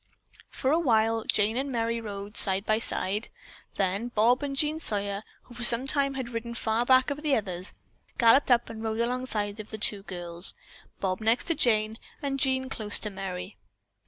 For a while Jane and Merry rode side by side, then Bob and Jean Sawyer, who for some time had ridden far back of the others, galloped up and rode alongside of the two girls, Bob next to Jane and Jean close to Merry.